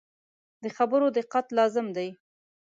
د خبرو دقت لازم دی.